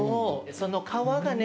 その皮がね